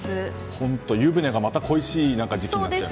本当、湯船がまた恋しい時期になっちゃいました。